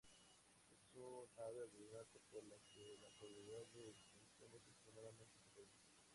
Es un ave abundante, por lo que la probabilidad de extinción es extremadamente pequeña.